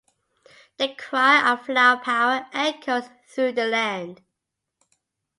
The cry of 'Flower Power' echoes through the land.